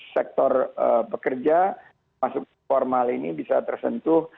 sektor pekerja masuk formal ini bisa tersentuh